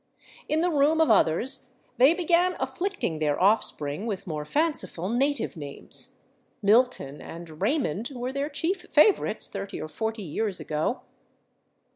In the room of others they began afflicting their offspring with more fanciful native names: /Milton/ and /Raymond/ were their chief favorites thirty or forty years ago.